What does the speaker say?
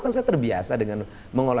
kan saya terbiasa dengan mengolah